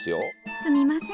すみません